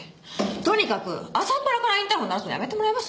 とにかく朝っぱらからインターホン鳴らすのやめてもらえます？